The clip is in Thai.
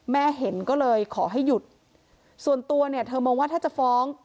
แม่เห็นก็เลยขอให้หยุดส่วนตัวเนี่ยเธอมองว่าถ้าจะฟ้อง